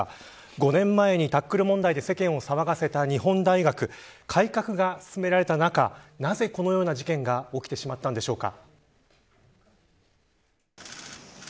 ５年前にタックル問題で世間を騒がせた日本大学改革が進められた中なぜこのような事件が起きてしまったのでしょうか。